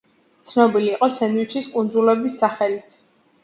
ცნობილი იყო სენდვიჩის კუნძულების სახელით.